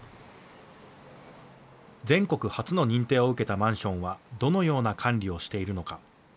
全国初の認定を受けたマンションはどのような管理をしているのか。